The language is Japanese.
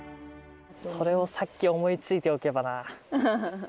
それをさっき思いついておけばな。